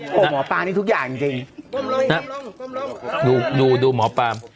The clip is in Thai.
โอ้โหหมอปลานี่ทุกอย่างจริงดูดูหมอปลาม